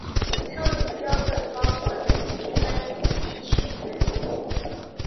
授予标准包括等级分以及序分。